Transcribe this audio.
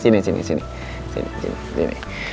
hah sini sini sini